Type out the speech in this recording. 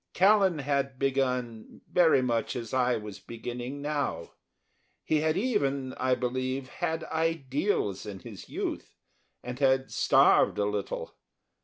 Callan had begun very much as I was beginning now; he had even, I believe, had ideals in his youth and had starved a little.